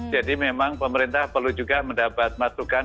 jadi memang pemerintah perlu juga mendapat masukan